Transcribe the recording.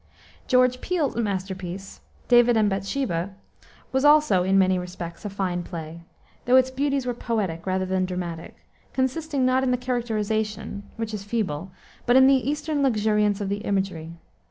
George Peele's masterpiece, David and Bethsabe, was also, in many respects, a fine play, though its beauties were poetic rather than dramatic, consisting not in the characterization which is feeble but in the eastern luxuriance of the imagery.